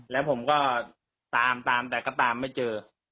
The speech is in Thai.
แล้วผมก็ตามตามแต่ก็ตามไม่เจอ